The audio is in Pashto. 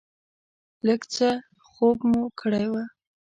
لږ څه خوب مو کړی و.